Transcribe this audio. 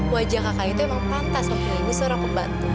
wajah kakak itu emang pantas ngomongin ini seorang pembantu